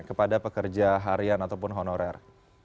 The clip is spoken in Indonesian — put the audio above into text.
kepada pekerja harian ataupun honorer